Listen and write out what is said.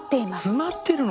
詰まってるの！？